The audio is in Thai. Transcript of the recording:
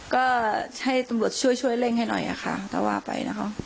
ก็ให้ตำรวจช่วยเร่งให้หน่อยอ่ะค่ะถ้าว่าไปนะครับ